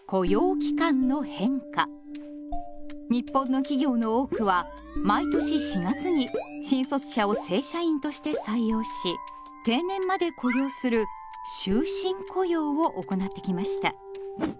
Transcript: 日本の企業の多くは毎年４月に新卒者を正社員として採用し定年まで雇用する「終身雇用」を行ってきました。